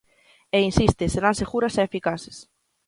E insiste: serán seguras e eficaces.